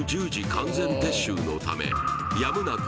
完全撤収のためやむなく